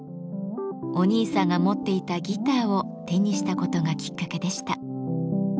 お兄さんが持っていたギターを手にしたことがきっかけでした。